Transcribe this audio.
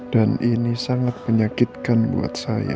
dan ini sangat menyakitkan buat saya